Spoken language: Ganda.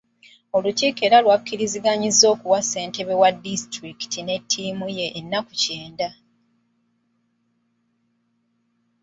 Olukiiko era lwakirizigannyizza okuwa ssentebe wa disitulikiti ne ttiimu ye ennaku kyenda.